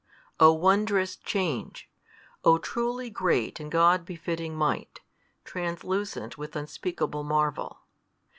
O wondrous change! O truly great and God befitting Might, translucent with unspeakable marvel!